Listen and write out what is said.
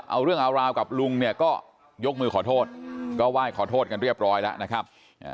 เอาเรื่องเอาราวกับลุงเนี่ยก็ยกมือขอโทษก็ไหว้ขอโทษกันเรียบร้อยแล้วนะครับ